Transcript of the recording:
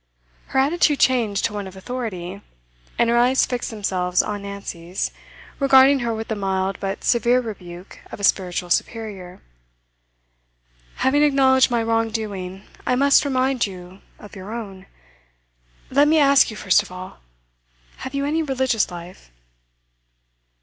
Her attitude changed to one of authority, and her eyes fixed themselves on Nancy's, regarding her with the mild but severe rebuke of a spiritual superior. 'Having acknowledged my wrong doing, I must remind you of your own. Let me ask you first of all have you any religious life?